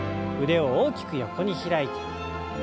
腕を大きく横に開いて。